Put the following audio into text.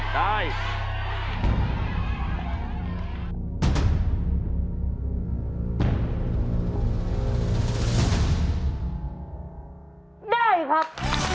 ได้ครับ